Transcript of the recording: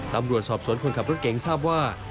ตำรวจสอบสวนคนขับรถเก๋งทราบว่า